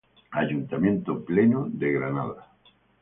Ayuntamiento Pleno de Granada.